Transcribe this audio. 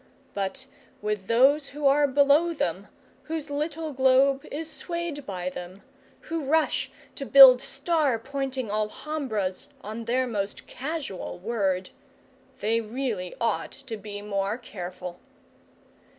But with those who are below them, whose little globe is swayed by them, who rush to build star pointing alhambras on their most casual word, they really ought to be more careful.